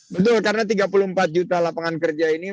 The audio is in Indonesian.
betul karena tiga puluh empat juta lapangan kerja ini